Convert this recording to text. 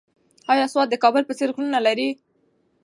ایا سوات د کابل په څېر غرونه لري؟